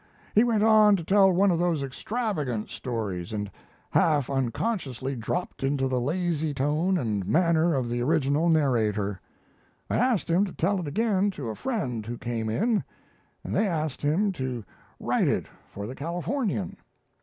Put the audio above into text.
He went on to tell one of those extravagant stories, and half unconsciously dropped into the lazy tone and manner of the original narrator. I asked him to tell it again to a friend who came in, and they asked him to write it for 'The Californian'.